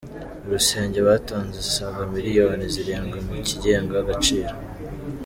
I Rusenge batanze asaga miliyoni zirindwi mukigega agaciro